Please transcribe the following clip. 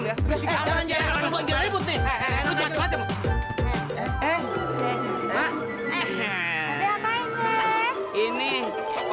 n bearings cak